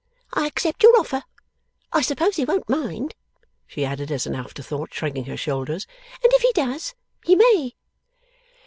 I accept your offer. I suppose He won't mind,' she added as an afterthought, shrugging her shoulders; 'and if he does, he may!